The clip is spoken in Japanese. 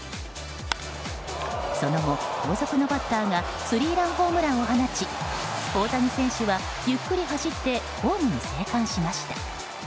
その後、後続のバッターがスリーランホームランを放ち大谷選手はゆっくり走ってホームに生還しました。